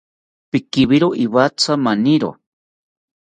Pikewakiro iwatha maniro